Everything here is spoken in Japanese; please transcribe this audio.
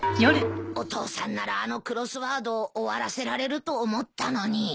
お父さんならあのクロスワード終わらせられると思ったのに。